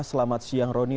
selamat siang roni